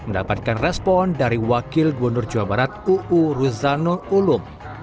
mendapatkan respon dari wakil gubernur jawa barat uu ruzanul ulum